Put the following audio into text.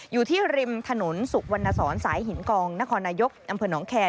อยู่ที่ริมถนนสุวรรณสอนสายหินกองนครนายกอำเภอหนองแคร์